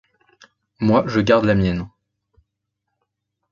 Moi, je garde la mienne !